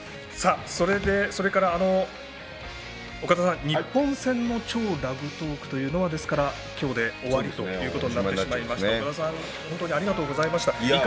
それから岡田さん日本戦の「＃超ラグトーク」というのは今日で終わりということになってしまいましたが岡田さん本当にありがとうございました。